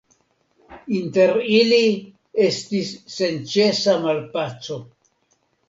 Inter ili estis senĉesa malpaco.